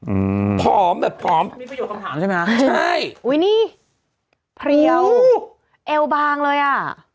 อืมผอมแบบผอมนี่ประโยชนคำถามใช่ไหมใช่อุ้ยนี่เพลียวเอวบางเลยอ่ะ